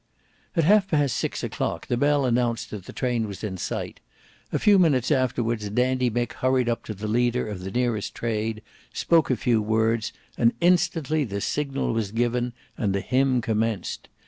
At half past six o'clock the bell announced that the train was in sight; a few minutes afterwards Dandy Mick hurried up to the leader of the nearest Trade, spoke a few words, and instantly the signal was given and the hymn commenced.